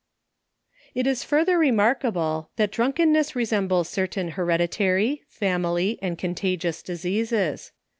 It is further remarkable, that drunkenness resembles certain hereditary, family, and contagious diseases.